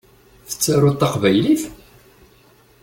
Tettaruḍ taqbaylit?